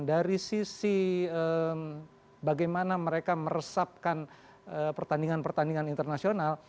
dari sisi bagaimana mereka meresapkan pertandingan pertandingan internasional